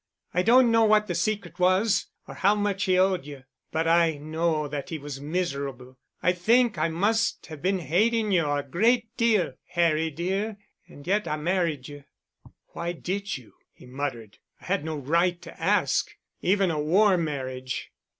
I don't know what the secret was, or how much he owed you, but I know that he was miserable. I think I must have been hating you a great deal, Harry dear—and yet I married you." "Why did you?" he muttered. "I had no right to ask—even a war marriage."